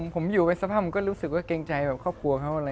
ผมอยู่ไปสภาพผมก็รู้สึกว่าเกรงใจแบบครอบครัวเขาอะไร